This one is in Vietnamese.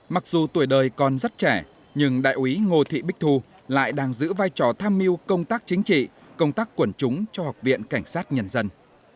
mặc dù tuổi đời còn rất trẻ nhưng đại úy ngô thị bích thu lại đang giữ vai trò tham mưu công tác chính trị công tác quẩn chúng cho học viện cảnh sát nhân dân